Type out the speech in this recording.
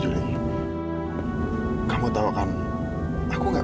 tapi aku ingin tahu poros hal ini bukan hanya berdasarkan diriku